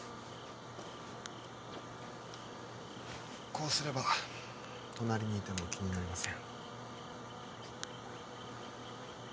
こうすれば隣にいても気になりません